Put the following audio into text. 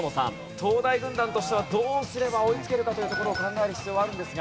東大軍団としてはどうすれば追いつけるかというところを考える必要はあるんですが。